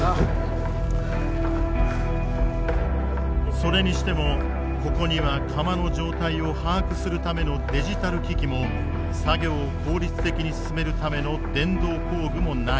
それにしてもここには釜の状態を把握するためのデジタル機器も作業を効率的に進めるための電動工具もない。